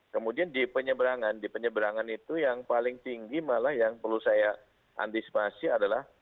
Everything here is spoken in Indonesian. kemudian di penyeberangan di penyeberangan itu yang paling tinggi malah yang perlu saya antisipasi adalah